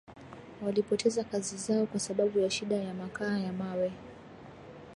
walipoteza kazi zao kwa sababu ya shida ya makaa ya mawe